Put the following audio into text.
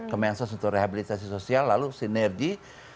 kemensos untuk rehabilitasi sosial lalu sinergi